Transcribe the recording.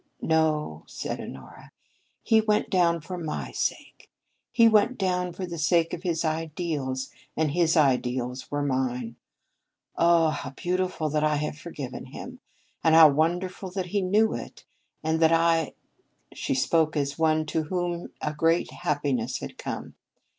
"No," said Honora, "he went down for my sake. He went down for the sake of his ideals, and his ideals were mine. Oh, how beautiful that I have forgiven him and how wonderful that he knew it, and that I " She spoke as one to whom a great happiness had come.